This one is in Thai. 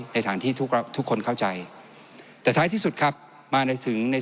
ในฐานที่ทุกคนเข้าใจแต่ท้ายที่สุดครับมาในถึงใน